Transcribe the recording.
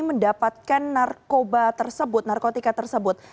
mendapatkan narkoba tersebut narkotika tersebut